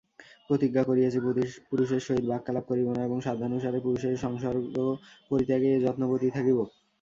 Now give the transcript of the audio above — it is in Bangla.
প্রতিজ্ঞা করিয়াছি পুরুষের সহিত বাক্যালাপ করিব না এবং সাধ্যানুসারে পুরুষেয় সংসর্গপরিত্যাগে যত্নবতী থাকিব।